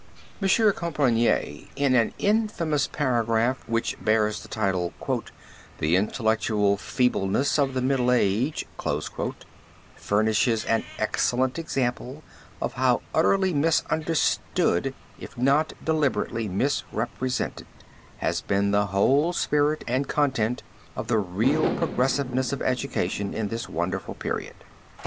M. Compayré in an infamous paragraph which bears the title "The Intellectual Feebleness of the Middle Age," furnishes an excellent example of how utterly misunderstood, if not deliberately misrepresented, has been the whole spirit and content and the real progressiveness of education in this wonderful period.